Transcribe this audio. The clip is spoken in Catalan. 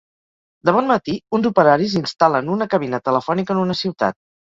De bon matí, uns operaris instal·len una cabina telefònica en una ciutat.